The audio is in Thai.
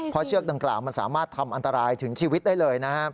เพราะเชือกดังกล่าวมันสามารถทำอันตรายถึงชีวิตได้เลยนะครับ